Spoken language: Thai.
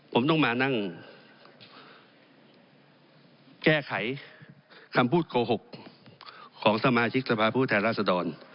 ผมต้องมานั่งแก้ไขคำพูดโกหกของสมาชิกสภาพผู้แทนราษดร